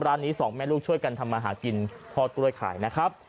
ร้านนี้สองแม่ลูกช่วยกันทำมาหากินพ่อกล้วยขายนะครับ